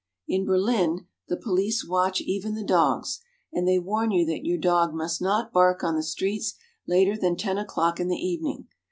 In Berlin, the police watch even the dogs, and they warn you that your dog must not bark on the streets later than ten o'clock in the evening.